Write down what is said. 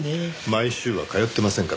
毎週は通ってませんから。